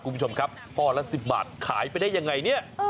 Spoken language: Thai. คุณผู้ชมครับข้อละ๑๐บาทขายไปได้ยังไงเนี่ย